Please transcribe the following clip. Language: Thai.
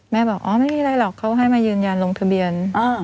บอกอ๋อไม่มีอะไรหรอกเขาให้มายืนยันลงทะเบียน